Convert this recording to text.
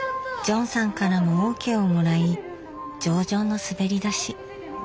ジョンさんからもＯＫをもらい上々の滑りだし。